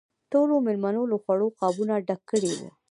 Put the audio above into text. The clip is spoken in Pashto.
ټولو مېلمنو له خوړو قابونه ډک کړي وو.